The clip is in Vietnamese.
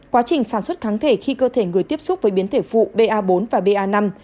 quá trình sản xuất kháng thể khi cơ thể người tiếp xúc với biến thể phụ ba bốn và ba năm